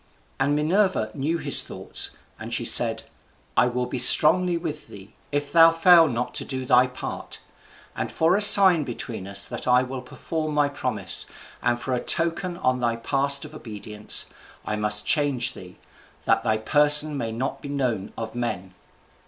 And Minerva knew his thoughts, and she said, "I will be strongly with thee, if thou fail not to do thy part. And for a sign between us that I will perform my promise and for a token on thy part of obedience, I must change thee, that thy person may not be known of men."